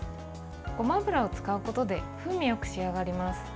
ごま油を使うことで風味よく仕上がります。